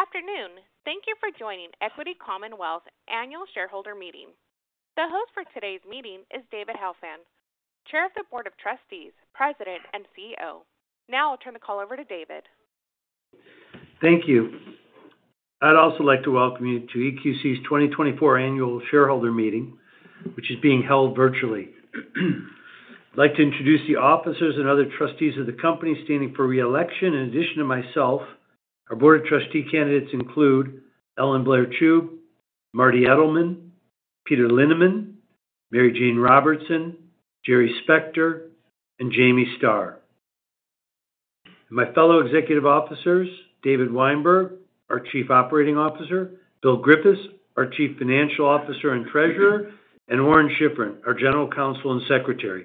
Good afternoon. Thank you for joining Equity Commonwealth Annual Shareholder Meeting. The host for today's meeting is David Helfand, Chair of the Board of Trustees, President, and CEO. Now, I'll turn the call over to David. Thank you. I'd also like to welcome you to EQC's 2024 Annual Shareholder Meeting, which is being held virtually. I'd like to introduce the officers and other trustees of the company standing for re-election. In addition to myself, our board of trustee candidates include Ellen-Blair Chube, Martin Edelman, Peter Linneman, Mary Jane Robertson, Gerald Spector, and James Star. My fellow executive officers, David Weinberg, our Chief Operating Officer, Bill Griffiths, our Chief Financial Officer and Treasurer, and Orrin Shifrin, our General Counsel and Secretary.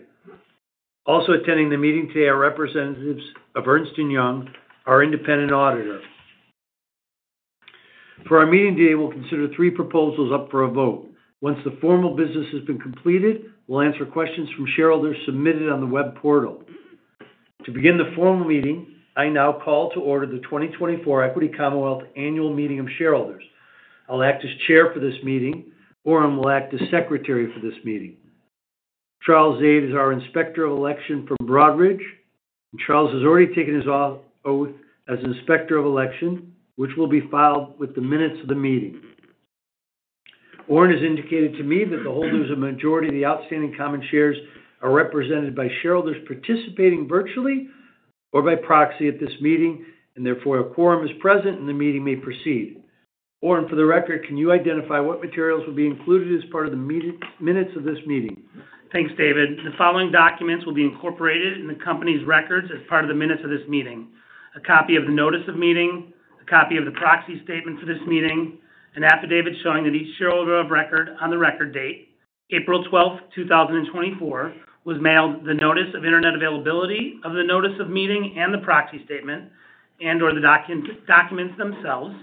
Also attending the meeting today are representatives of Ernst & Young, our independent auditor. For our meeting today, we'll consider three proposals up for a vote. Once the formal business has been completed, we'll answer questions from shareholders submitted on the web portal. To begin the formal meeting, I now call to order the 2024 Equity Commonwealth Annual Meeting of Shareholders. I'll act as Chair for this meeting. Orrin will act as secretary for this meeting. Charles Zade is our Inspector of Election from Broadridge, and Charles has already taken his oath as Inspector of Election, which will be filed with the minutes of the meeting. Orrin has indicated to me that the holders of majority of the outstanding common shares are represented by shareholders participating virtually or by proxy at this meeting, and therefore, a quorum is present and the meeting may proceed. Orrin, for the record, can you identify what materials will be included as part of the minutes of this meeting? Thanks, David. The following documents will be incorporated in the company's records as part of the minutes of this meeting: A copy of the notice of meeting, a copy of the proxy statement for this meeting, an affidavit showing that each shareholder of record on the record date, April 12, 2024, was mailed the notice of Internet availability of the notice of meeting and the proxy statement, and/or the documents themselves,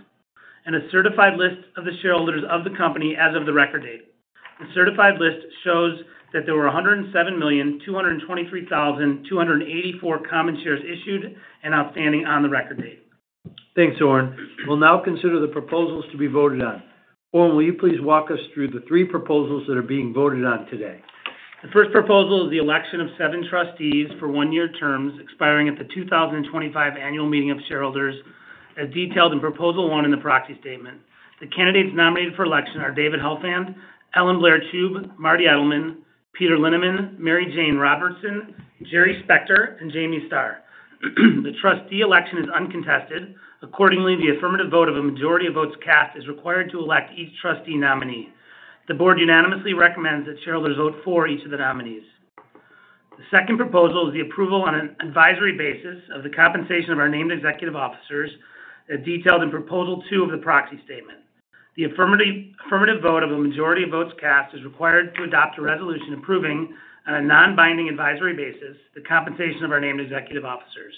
and a certified list of the shareholders of the company as of the record date. The certified list shows that there were 107,223,284 common shares issued and outstanding on the record date. Thanks, Orrin. We'll now consider the proposals to be voted on. Orrin, will you please walk us through the three proposals that are being voted on today? The first proposal is the election of seven trustees for one-year terms, expiring at the 2025 Annual Meeting of Shareholders, as detailed in Proposal One in the proxy statement. The candidates nominated for election are David Helfand, Ellen-Blair Chube, Martin Edelman, Peter Linneman, Mary Jane Robertson, Gerald Spector, and James Star. The trustee election is uncontested. Accordingly, the affirmative vote of a majority of votes cast is required to elect each trustee nominee. The board unanimously recommends that shareholders vote for each of the nominees. The second proposal is the approval on an advisory basis of the compensation of our named executive officers, as detailed in Proposal Two of the proxy statement. The affirmative vote of a majority of votes cast is required to adopt a resolution approving, on a non-binding advisory basis, the compensation of our named executive officers.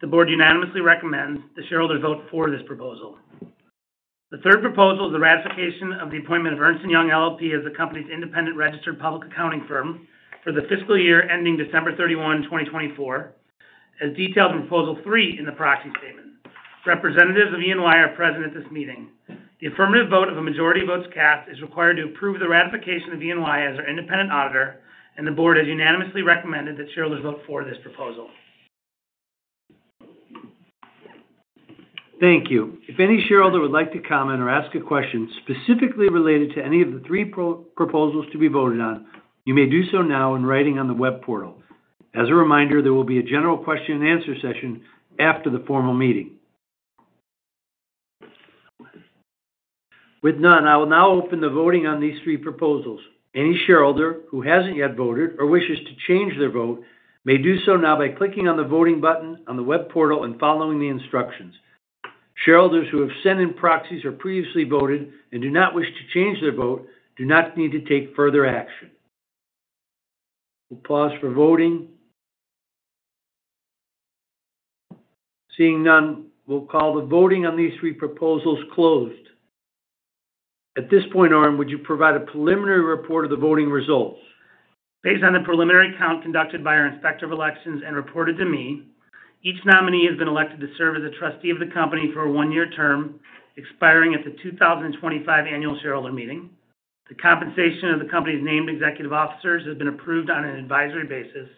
The board unanimously recommends the shareholder vote for this proposal. The third proposal is the ratification of the appointment of Ernst & Young LLP as the company's independent registered public accounting firm for the fiscal year ending December 31, 2024, as detailed in Proposal Three in the proxy statement. Representatives of E&Y are present at this meeting. The affirmative vote of a majority of votes cast is required to approve the ratification of E&Y as our independent auditor, and the board has unanimously recommended that shareholders vote for this proposal. Thank you. If any shareholder would like to comment or ask a question specifically related to any of the three proposals to be voted on, you may do so now in writing on the web portal. As a reminder, there will be a general question-and-answer session after the formal meeting. With none, I will now open the voting on these three proposals. Any shareholder who hasn't yet voted or wishes to change their vote may do so now by clicking on the voting button on the web portal and following the instructions. Shareholders who have sent in proxies or previously voted and do not wish to change their vote, do not need to take further action. We'll pause for voting. Seeing none, we'll call the voting on these three proposals closed. At this point, Orrin, would you provide a preliminary report of the voting results? Based on the preliminary count conducted by our Inspector of Elections and reported to me, each nominee has been elected to serve as a trustee of the company for a one-year term, expiring at the 2025 Annual Shareholder Meeting. The compensation of the company's named executive officers has been approved on an advisory basis,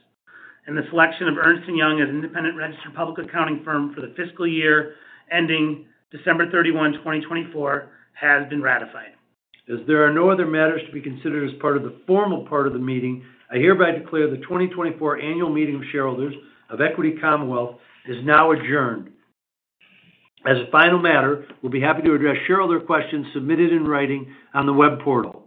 and the selection of Ernst & Young as an independent registered public accounting firm for the fiscal year ending December 31, 2024, has been ratified. As there are no other matters to be considered as part of the formal part of the meeting, I hereby declare the 2024 Annual Meeting of Shareholders of Equity Commonwealth is now adjourned. As a final matter, we'll be happy to address shareholder questions submitted in writing on the web portal.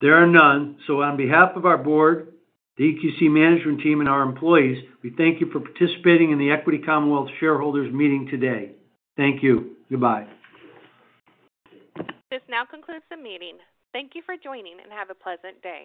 There are none, so on behalf of our board, the EQC management team, and our employees, we thank you for participating in the Equity Commonwealth shareholders meeting today. Thank you. Goodbye. This now concludes the meeting. Thank you for joining, and have a pleasant day.